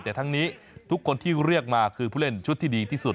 แต่ทั้งนี้ทุกคนที่เรียกมาคือผู้เล่นชุดที่ดีที่สุด